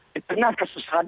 di tengah kesesahan